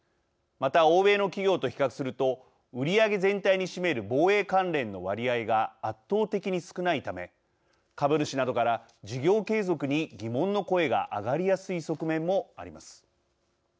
また、欧米の企業と比較すると売り上げ全体に占める防衛関連の割合が圧倒的に少ないため株主などから事業継続に疑問の声が上がりやすい側面もあります。